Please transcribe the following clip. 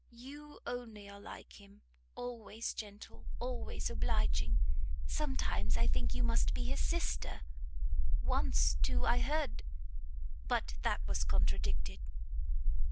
You only are like him! always gentle, always obliging! sometimes I think you must be his sister once, too, I heard but that was contradicted."